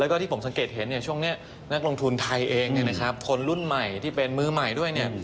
แล้วก็ที่ผมสังเกตเห็นช่วงนี้นักลงทุนไทยเองคนรุ่นใหม่ที่เป็นมือใหม่ด้วย